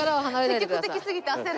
積極的すぎて焦る。